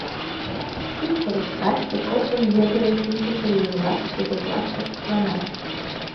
Шӱй коропкаште коктын йыгыре шинчыше еҥ-влак шке коклаштышт мутланат.